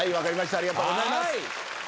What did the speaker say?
ありがとうございます。